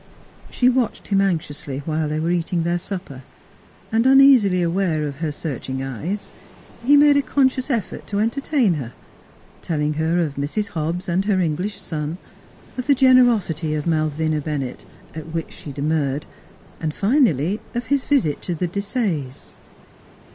She watched him anxiously while they were eat ing their supper, and uneasily aware of her search ing eyes he made a conscious effort to entertain her, telling her of Mrs. Hobbs and her English son; of the generosity of Malvina Bennett at which she demurred and finally of his visit to the Desayes.